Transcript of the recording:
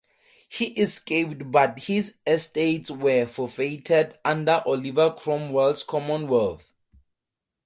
He escaped but his estates were forfeited under Oliver Cromwell's Commonwealth.